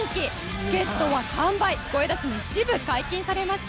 チケットは完売声出しも一部解禁されました。